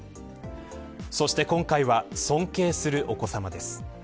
そして今回は尊敬するお子さまです。